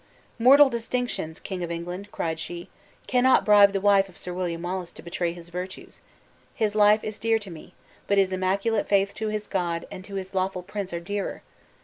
"Mortal distinctions, King of England!" cried she, "cannot bribe the wife of Sir William Wallace to betray his virtues. His life is dear to me, but his immaculate faith to his God and his lawful prince are dearer.